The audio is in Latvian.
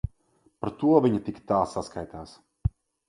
Par to viņa tik tā saskaitās.